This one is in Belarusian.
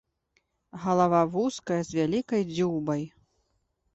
Галава вузкая з вялікай дзюбай.